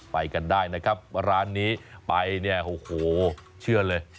ไปกันได้นะครับร้านนี้ไปเนี่ยโอ้โหเชื่อเลย